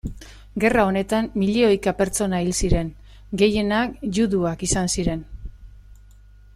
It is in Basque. Gerra honetan milioika pertsona hil ziren, gehienak juduak izan ziren.